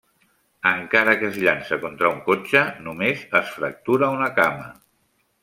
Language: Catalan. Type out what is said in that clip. Encara que es llança contra un cotxe, només es fractura una cama.